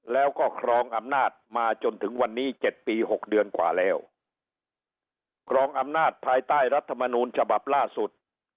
แล้วก็ครองอำนาจมาจนถึงวันนี้เจ็ดปีหกเดือนกว่าแล้วครองอำนาจภายใต้รัฐมนูลฉบับล่าสุด